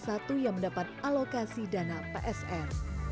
jadi salah satu yang mendapat alokasi dana psr